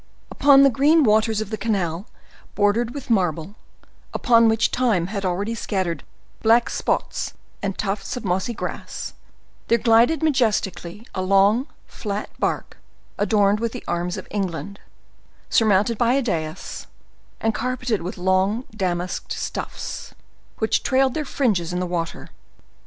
Upon the green waters of the canal bordered with marble, upon which time had already scattered black spots and tufts of mossy grass, there glided majestically a long, flat bark adorned with the arms of England, surmounted by a dais, and carpeted with long damasked stuffs, which trailed their fringes in the water.